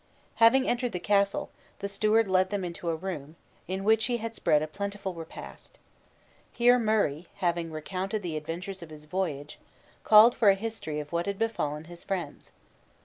Having entered the castle, the steward led them into a room, in which he had spread a plentiful repast. Here Murray (having recounted the adventures of his voyage) called for a history of what had befallen his friends.